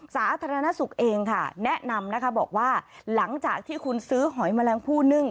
สาธารณสุขเองค่ะแนะนำนะคะบอกว่าหลังจากที่คุณซื้อหอยแมลงผู้นึ่ง